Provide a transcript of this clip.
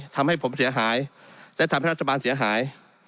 ทำให้ผมเสียหายและทำให้รัฐบาลเสียหาย